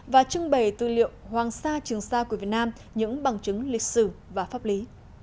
và trưng bày tư liệu hoàng sa trường sa của việt nam những bằng chứng lịch sử và pháp lý